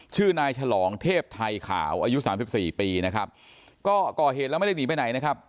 ชื่อนายฉลองเทพไทยขาวอายุสามสิบสี่ปีนะครับก็ก่อเหตุแล้วไม่ได้หนีไปไหนนะครับ